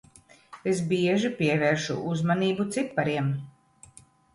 Es bieži pievēršu uzmanību cipariem.